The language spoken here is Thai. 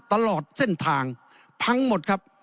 ตลอดเส้นทางพังหมดครับ